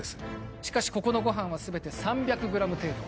しかしここのご飯は全て３００ｇ程度。